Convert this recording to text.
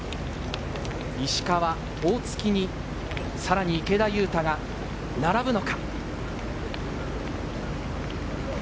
石川、大槻に、さらに池田勇太が並ぶのか？